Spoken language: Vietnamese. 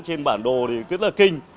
trên bản đồ thì rất là kinh